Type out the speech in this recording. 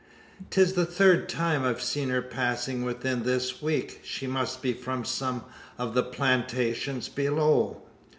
'Tis the third time I've seen her passing within this week? She must be from some of the plantations below!"